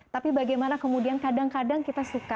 tapi bagaimana kemudian kadang kadang kita suka